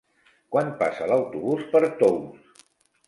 Quan passa l'autobús per Tous?